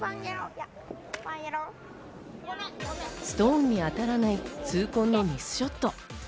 ストーンに当たらない痛恨のミスショット。